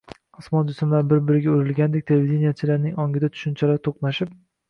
– osmon jismlari bir-biriga urilganidek televideniyechilarning ongida tushunchalar to‘qnashib